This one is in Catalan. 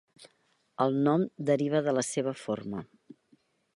El nom deriva de la seva forma.